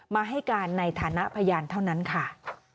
มาให้การในฐานะพยานเท่านั้นค่ะ